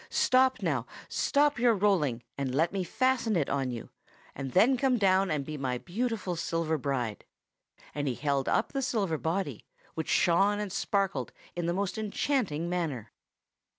Stop now, stop your rolling, and let me fasten it on for you, and then come down and be my beautiful silver bride.' And he held up the silver body, which shone and sparkled in the most enchanting manner. "Here I am, dear Lady Moon."